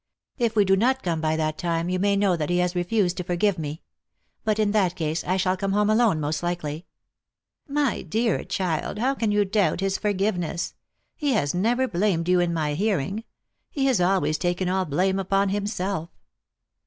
If we do not come by that time, you may know that he has refused to forgive me. But in that case I shall come home alone, most likely." " My dear child, how can you doubt his forgiveness ? He has never blamed you in my hearing. He has always taken all blame upon himself."